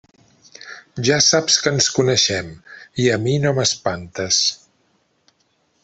Ja saps que ens coneixem, i a mi no m'espantes.